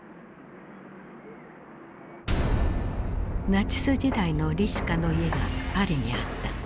ナチス時代のリシュカの家がパリにあった。